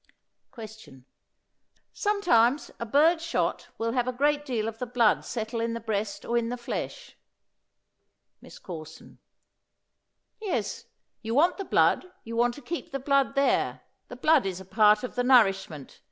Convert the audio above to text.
Question. Sometimes a bird shot will have a great deal of the blood settle in the breast or in the flesh. MISS CORSON. Yes; you want the blood; you want to keep the blood there. The blood is a part of the nourishment.